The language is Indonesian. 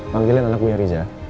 panggilin anakku ya riza